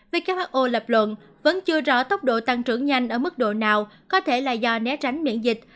who lập luận vẫn chưa rõ tốc độ tăng trưởng nhanh ở mức độ nào có thể là do né tránh miễn dịch